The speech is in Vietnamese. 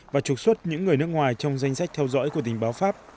và trục xuất những người nước ngoài trong danh sách theo dõi của tình báo pháp